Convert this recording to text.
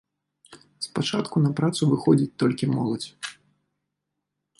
Спачатку на працу выходзіць толькі моладзь.